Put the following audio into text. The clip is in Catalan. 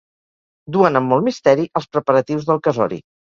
Duen amb molt misteri els preparatius del casori.